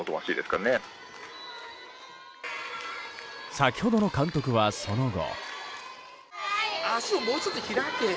先ほどの監督は、その後。